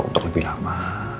untuk lebih lama